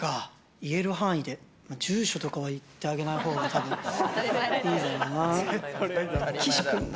言える範囲で住所とかは言ってあげないほうが多分いいだろうな。